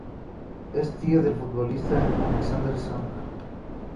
Es tío del futbolista Alexandre Song.